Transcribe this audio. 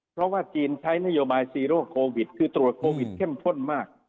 เพราะว่าจีนใช้นโยบายซีโร่โควิดคือตรวจโควิดเข้มข้นมาก